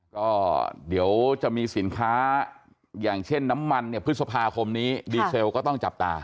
ก็เดี๋ยวจะมีสินค้าอย่างเช่นน้ำมันเนี่ยพฤษภาคมนี้ดีเซลก็ต้องจับตา